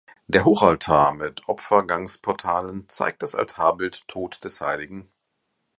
Der Hochaltar mit Opfergangsportalen zeigt das Altarbild Tod des hl.